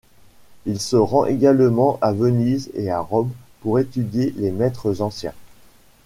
Il se rend également à Venise et à Rome pour étudier les maîtres anciens.